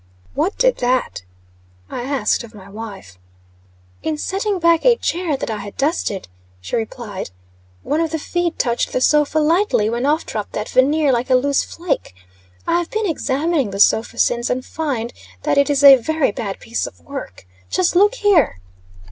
"What did that?" I asked of my wife. "In setting back a chair that I had dusted," she replied, "one of the feet touched the sofa lightly, when off dropped that veneer like a loose flake. I've been examining the sofa since, and find that it is a very bad piece of work. Just look here."